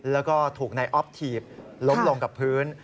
แล้วก็ถูกนายอ๊อฟถีบล้มลงกับพื้น